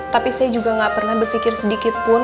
tapi saya juga gak pernah berpikir sedikit pun